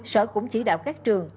sở cũng chỉ đạo các trường